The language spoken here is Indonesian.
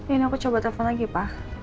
ini aku coba telepon lagi pak